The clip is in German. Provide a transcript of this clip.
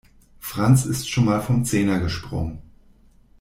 Franz ist schon mal vom Zehner gesprungen.